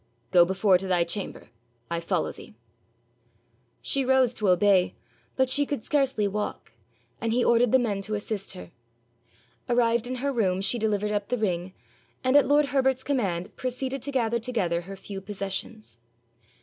'Go before to thy chamber. I follow thee.' She rose to obey, but she could scarcely walk, and he ordered the men to assist her. Arrived in her room she delivered up the ring, and at lord Herbert's command proceeded to gather together her few possessions.